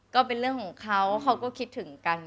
ก็เป็นเรื่องของเขาเขาก็คิดถึงกัน